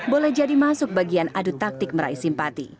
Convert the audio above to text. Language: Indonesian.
boleh jadi masuk bagian adu taktik meraih simpati